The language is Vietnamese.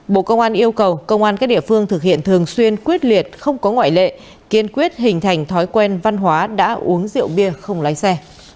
bộ công an yêu cầu công an các địa phương thực hiện thường xuyên quyết liệt không có ngoại lệ kiên quyết hình thành thói quen văn hóa đã uống rượu bia không lái xe